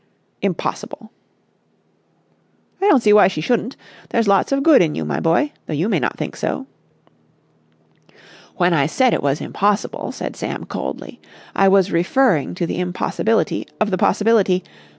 "Impossible!" "I don't see why she shouldn't. There's lots of good in you, my boy, though you may not think so." "When I said it was impossible," said Sam coldly, "I was referring to the impossibility of the possibility....